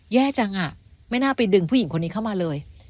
แย่จังอ่ะไม่น่าไปดึงผู้หญิงคนนี้เข้ามาเลย